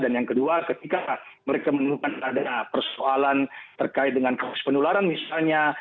dan yang kedua ketika mereka menemukan ada persoalan terkait dengan kursus pendularan misalnya